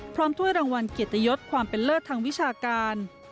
ถ้วยรางวัลเกียรติยศความเป็นเลิศทางวิชาการ